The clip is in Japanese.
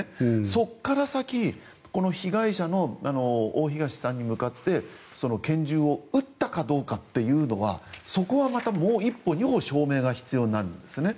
そこから先、この被害者の大東さんに向かって拳銃を撃ったかどうかっていうのはそこはまたもう一歩、二歩証明が必要になるんですね。